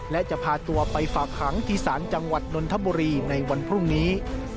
และจะพาตัวไปฝากหางที่ศาลจังหวัดนนทบุรีในวันพรุ่งนี้